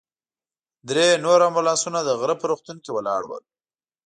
درې نور امبولانسونه د غره په روغتون کې ولاړ ول.